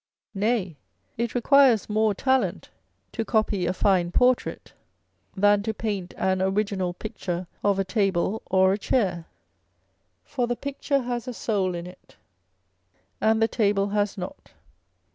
Nay, it requires more talent to copy a fine portrait than to paint an original picture of a table or a chair, for the picture has a soul in it, and the table has not.